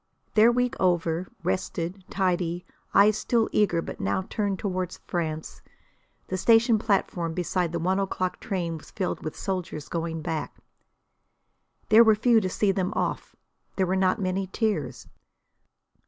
Their week over, rested, tidy, eyes still eager but now turned toward France, the station platform beside the one o'clock train was filled with soldiers going back. There were few to see them off; there were not many tears.